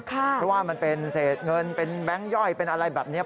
เพราะว่ามันเป็นเศษเงินเป็นแบงค์ย่อยเป็นอะไรแบบนี้